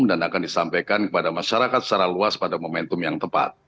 dan akan disampaikan kepada masyarakat secara luas pada momentum yang tepat